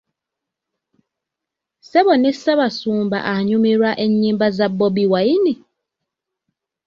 Ssebo ne Ssaabasumba anyumirwa ennyimba za Bobi Wine!